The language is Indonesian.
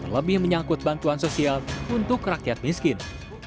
lebih menyangkut bantuan sosial untuk rakyat miskin